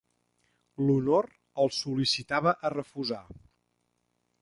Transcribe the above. L'honor el sol·licitava a refusar.